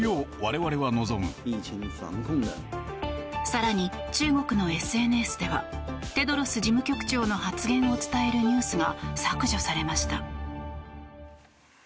更に、中国のＳＮＳではテドロス事務局長の発言を伝えるニュースが削除されました。